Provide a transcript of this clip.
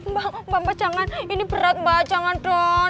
mbak mbak jangan ini berat mbak jangan don